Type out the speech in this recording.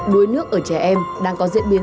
đuối nước ở trẻ em đang có diễn biến